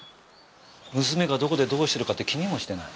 娘がどこでどうしてるかって気にもしてない。